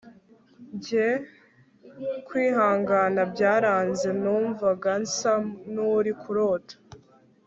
Njye kwihangana byaranze numvaga nsa nuri kurota